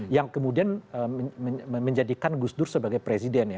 yang kemudian menjadikan gus dur sebagai presiden ya